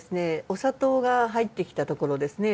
お砂糖が入ってきたところですね